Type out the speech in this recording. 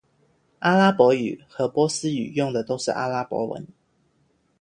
阿拉伯语和波斯语用的都是阿拉伯文。